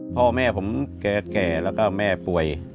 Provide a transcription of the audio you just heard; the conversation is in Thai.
พ่อแม่ผมแก่แล้วก็แม่ป่วย